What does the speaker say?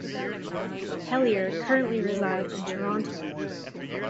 Hellyer currently resides in Toronto.